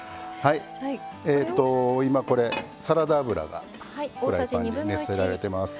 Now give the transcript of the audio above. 今これサラダ油がフライパンに熱せられてます。